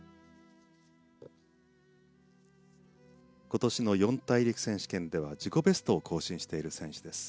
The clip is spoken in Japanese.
今年の四大陸選手権では自己ベストを更新しています。